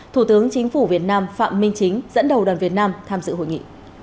thủ tướng chính phủ việt nam phạm minh chính dẫn đầu đoàn việt nam tham dự hội nghị